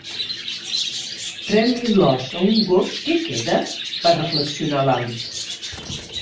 "Pren-li l'os a un gos: què queda?", va reflexionar l'Alice.